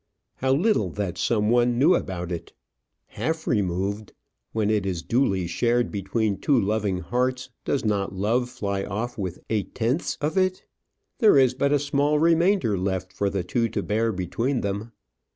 How little that some one knew about it! Half removed! When it is duly shared between two loving hearts, does not love fly off with eight tenths of it? There is but a small remainder left for the two to bear between them.